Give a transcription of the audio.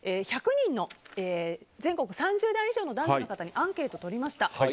１００人の全国３０代以上の男女の方にアンケートを取りました。